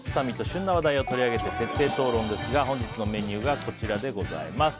旬な話題を取り上げて徹底討論ですが本日のメニューがこちらです。